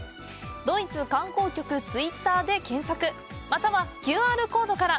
「ドイツ観光局ツイッター」で検索またはＱＲコードから。